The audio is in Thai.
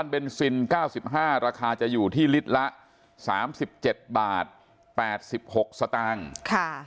เบนซิน๙๕ราคาจะอยู่ที่ลิตรละ๓๗บาท๘๖สตางค์ค่ะ